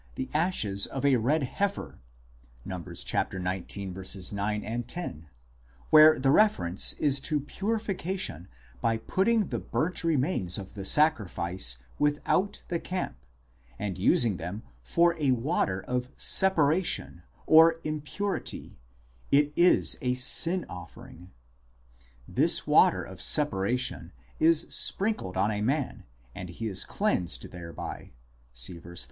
the ashes of a red heifer, Num. xix. 9, 10, where the refer ence is to purification by putting the burnt remains of the sacrifice "without the camp," and using them "for a water of separation (or "impurity "), it is a sin offering "; this "water of separation" is sprinkled on a man, and he is cleansed thereby (see verse 13).